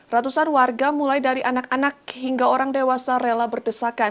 ratusan warga mulai dari anak anak hingga orang dewasa rela berdesakan